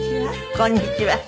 こんにちは。